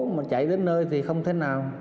mà chạy đến nơi thì không thể nào